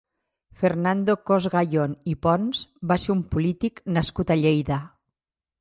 Fernando Cos-Gayón i Pons va ser un polític nascut a Lleida.